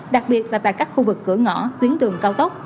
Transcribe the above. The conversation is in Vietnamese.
đặc biệt là tại các khu vực cửa ngõ tuyến đường cao tốc